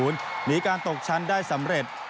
หนีการตกชั้นได้สำเร็จ